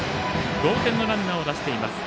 同点のランナーを出しています。